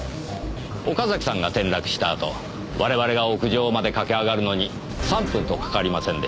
岡崎さんが転落したあと我々が屋上まで駆け上がるのに３分とかかりませんでした。